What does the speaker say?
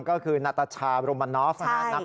ก็คือนาตาชาโรมานอฟ